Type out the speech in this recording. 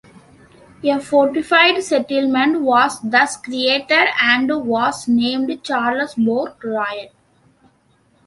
A fortified settlement was thus created and was named Charlesbourg-Royal.